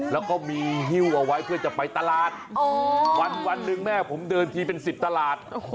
แล้วก็มีฮิ้วเอาไว้เพื่อจะไปตลาดวันหนึ่งแม่ผมเดินทีเป็น๑๐ตลาด